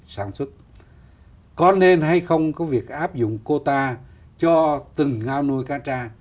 sản xuất có nên hay không có việc áp dụng cota cho từng ngao nuôi cá tra